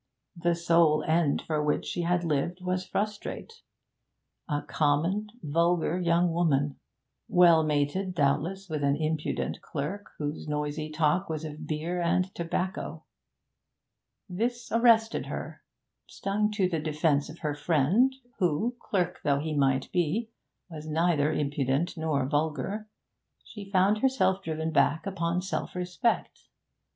The sole end for which she had lived was frustrate. A common, vulgar young woman well mated, doubtless, with an impudent clerk, whose noisy talk was of beer and tobacco! This arrested her. Stung to the defence of her friend, who, clerk though he might be, was neither impudent nor vulgar, she found herself driven back upon self respect.